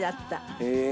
へえ。